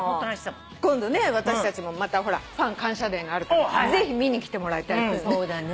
今度ね私たちもまた『ファン感謝デー』があるからぜひ見に来てもらいたいですね